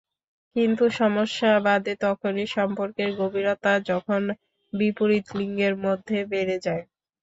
কিন্তু সমস্যা বাধে তখনই, সম্পর্কের গভীরতা যখন বিপরীত লিঙ্গের মধ্যে বেড়ে যায়।